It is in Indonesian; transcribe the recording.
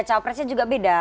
capresnya juga beda